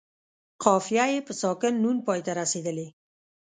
قافیه یې په ساکن نون پای ته رسیدلې.